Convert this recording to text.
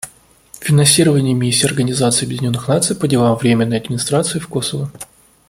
Финансирование Миссии Организации Объединенных Наций по делам временной администрации в Косово.